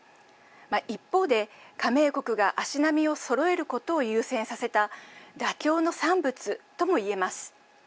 一方で加盟国が足並みをそろえることを優先させた妥協の産物ともいえます。